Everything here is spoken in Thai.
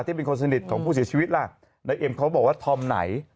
เป็นคนสนิทของผู้เสียชีวิตล่ะนายเอ็มเขาบอกว่าธอมไหน